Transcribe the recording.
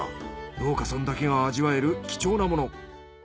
農家さんだけが味わえる貴重なもの。